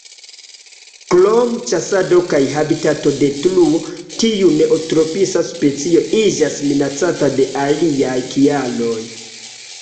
Krom ĉasado kaj habitatodetruo, tiu neotropisa specio iĝas minacata de aliaj kialoj.